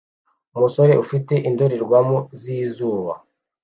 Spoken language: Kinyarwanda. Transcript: Umusore ufite indorerwamo zizuba